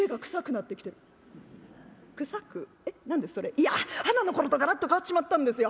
「いやはなの頃とガラッと変わっちまったんですよ。